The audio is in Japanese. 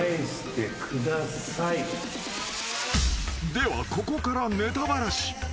［ではここからネタバラシ］